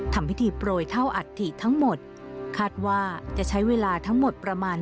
ทำพิธีโปรยเท่าอัตภิกษ์ทั้งหมด